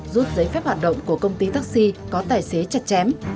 rút giấy phép hoạt động của công ty taxi có tài xế chặt chém